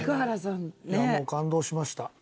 もう感動しました。